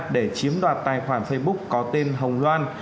để chiếm đoạt tài khoản facebook có tên hồng loan